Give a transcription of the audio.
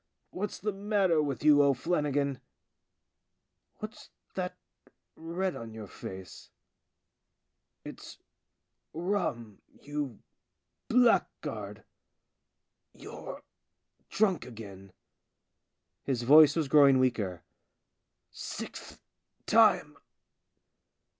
What's the matter with you, THE SIXTH DRUNK 87 O'Flannigan ? What's that red on your face ? It's rum, you blackguard. You're drunk again." His voice was growing weaker. " Sixth time